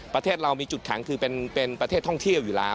ประเทศเรามีจุดแข็งคือเป็นประเทศท่องเที่ยวอยู่แล้ว